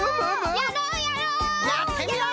やってみよう！